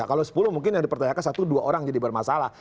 kalau sepuluh mungkin yang dipertanyakan satu dua orang jadi bermasalah